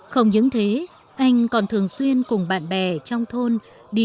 không những thế anh còn thường xuyên cùng bạn bè trong thôn cùng đứa con